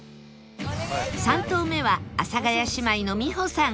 ３投目は阿佐ヶ谷姉妹の美穂さん